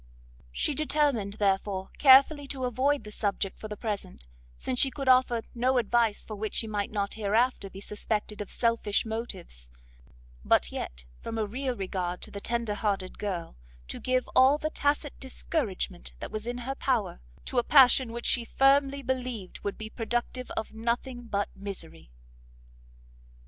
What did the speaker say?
She determined, therefore, carefully to avoid the subject for the present, since she could offer no advice for which she might not, hereafter, be suspected of selfish motives; but yet, from a real regard to the tender hearted girl, to give all the tacit discouragement that was in her power, to a passion which she firmly believed would be productive of nothing but misery.